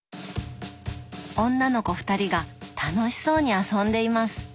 女の子２人が楽しそうに遊んでいます。